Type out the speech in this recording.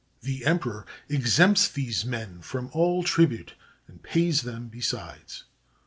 The em peror exempts these men from all tribute and pays them besides.